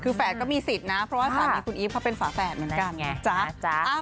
คือแฝดก็มีสิทธิ์นะเพราะว่าสามีคุณอีฟเขาเป็นฝาแฝดเหมือนกันไงจ๊ะ